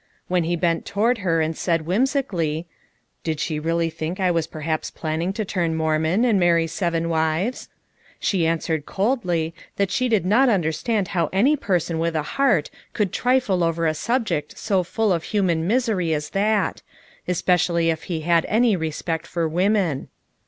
When he bent toward her and said whimsically: "Did she really think I was perhaps planning to turn Mormon and marry seven wives ?'' she answered coldly that she did not understand how any person with a heart could trifle over a subject so full of human misery as that; especially if he had any respect for women.